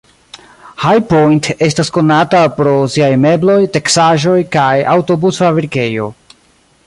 High Point estas konata pro siaj mebloj, teksaĵoj, kaj aŭtobus-fabrikejo.